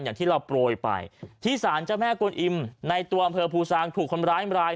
อย่างที่เราโปรยไปที่สารเจ้าแม่กวนอิมในตัวอำเภอภูซางถูกคนร้ายราย